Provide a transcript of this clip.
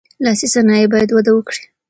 لاسي صنایع باید وده وکړي.